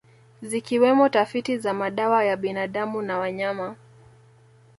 Zikiwemo tafiti za madawa ya binadamu na wanyama